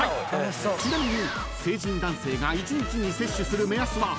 ［ちなみに］